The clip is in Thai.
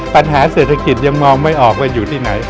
ปัญหาเศรษฐกิจยังมองไม่ออกว่าอยู่ที่ไหน